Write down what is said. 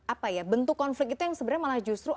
apa ya bentuk konflik itu yang sebenarnya malah justru